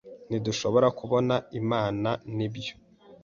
Ntidushobora kubona Imana nibyo